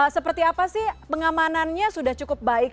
seperti apa sih pengamanannya sudah cukup baik